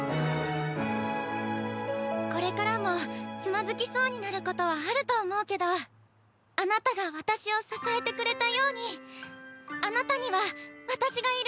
これからもつまずきそうになることはあると思うけどあなたが私を支えてくれたようにあなたには私がいる。